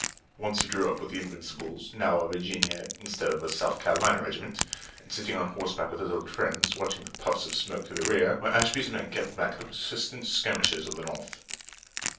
Once he drew up with the Invincibles, now a Virginia instead of a South Carolina regiment, and sitting on horseback with his old friends, watched the puffs of smoke to the rear, where Ashby's men kept back the persistent skirmishers of the North.